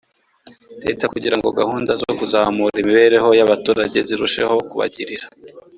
leta kugira ngo gahunda zo kuzamura imibereho y abaturage zirusheho kubagirira